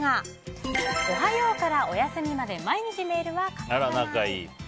おはようからおやすみまで毎日メールは欠かさない。